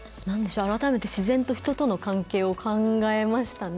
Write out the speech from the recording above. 改めて自然と人との関係を考えましたね。